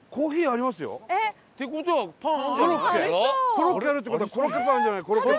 コロッケあるって事はコロッケパンあるんじゃない？